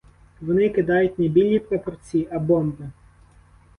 Вони кидають не білі прапорці, а бомби.